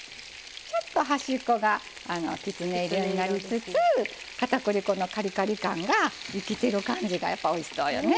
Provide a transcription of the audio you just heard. ちょっと端っこがきつね色になりつつ片栗粉のカリカリ感が生きてる感じがやっぱおいしそうよね。